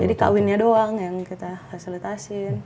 jadi kawinnya doang yang kita fasilitasi